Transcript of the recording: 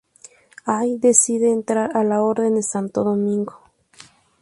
Allí decide entrar a la Orden de Santo Domingo.